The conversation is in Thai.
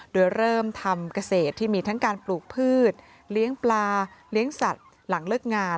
โดยเริ่มทำเกษตรที่มีทั้งการปลูกพืชเลี้ยงปลาเลี้ยงสัตว์หลังเลิกงาน